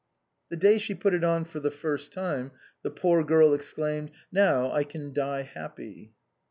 The day she put it on for the first time the poor girl exclaimed :" Now I can die happy."